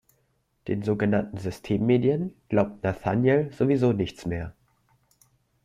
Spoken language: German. Den sogenannten Systemmedien glaubt Nathanael sowieso nichts mehr.